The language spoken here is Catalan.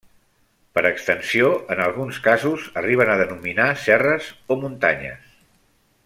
Per extensió, en alguns casos arriben a denominar serres o muntanyes.